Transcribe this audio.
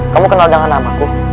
kamu kenal dengan nama ku